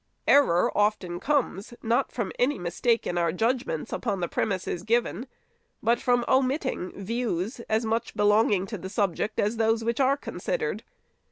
Error often comes, not from any mistake in our judgments upon the premises given, but from omitting views, as much belonging to the subject as those which are considered.